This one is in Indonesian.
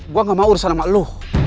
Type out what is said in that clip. gue gak mau urusan sama lo